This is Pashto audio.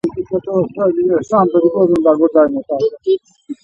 خو علاج يې نه و سوى.